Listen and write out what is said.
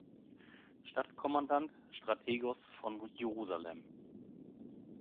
Stadtkommandant (Strategos) von Jerusalem.